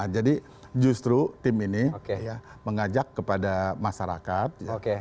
jadi justru tim ini mengajak kepada masyarakat